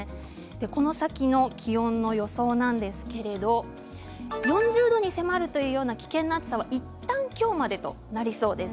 この先の気温の予想は４０度に迫るという危険な暑さはいったん今日までとなりそうです。